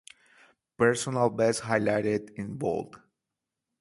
Personal bests highlighted in" bold".